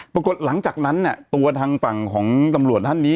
ปรากฏหลังจากนั้นเนี่ยตัวทางฝั่งของตำรวจท่านนี้